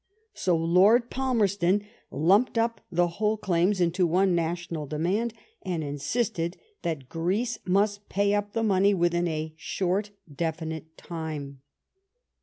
So Lord Palmerston lumped up the whole claims into one national demand, and insisted that Greece must pay up the money within a short, definite time.